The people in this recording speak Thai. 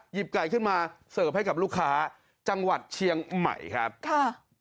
ไก่ขึ้นมาเสิร์ฟให้กับลูกค้าจังหวัดเชียงใหม่ครับค่ะ